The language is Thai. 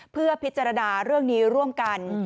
เพื่อพิจารณาเรื่องนี้ร่วมกัน